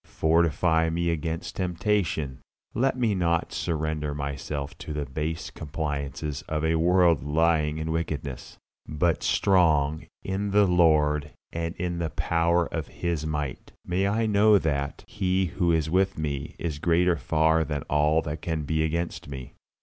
Fortify me against temptation; let me not surrender myself to the base compliances of a world lying in wickedness. But, strong in the Lord and in the power of His might, may I know that He who is with me is greater far than all that can be against me.